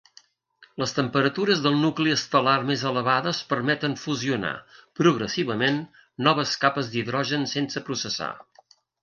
Les temperatures del nucli estel·lar més elevades permeten fusionar, progressivament, noves capes d'hidrogen sense processar.